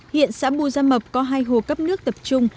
hiện xã bù gia mập có hai hồ cấp nước tập trung